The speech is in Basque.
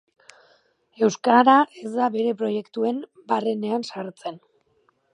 Euskara ez da bere proiektuen barrenean sartzen.